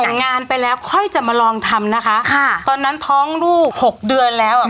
แต่งงานไปแล้วค่อยจะมาลองทำนะคะค่ะตอนนั้นท้องลูกหกเดือนแล้วอ่ะ